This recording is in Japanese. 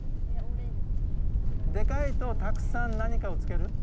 でかいとたくさん何かをつける？